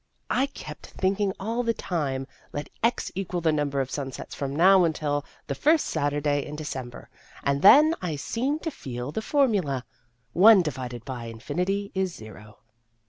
I kept thinking all the time, Let x equal the number of sunsets from now until the first Saturday in December, and then I seemed to feel the formula : One divided by infinity is zero."